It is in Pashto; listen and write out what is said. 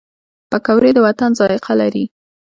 پکورې د وطن ذایقه لري